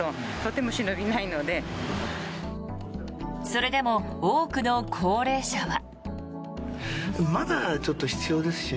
それでも多くの高齢者は。